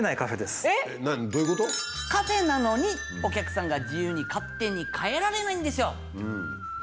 カフェなのにお客さんが自由に勝手に帰られないんですよ。